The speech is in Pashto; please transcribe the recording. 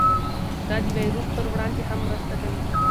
دا د ویروس پر وړاندې هم مرسته کوي.